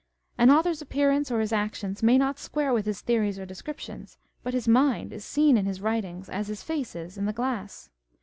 An author's appearance or his actions may not square with his theories or descriptions, but his mind is seen in his writings, as his face is in the glass.